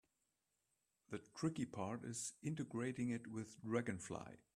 The tricky part is integrating it with Dragonfly.